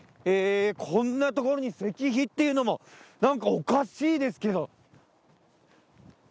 こんな所に石碑っていうのも何かおかしいですけど。